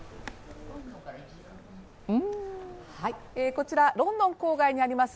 こちら、ロンドン郊外にあります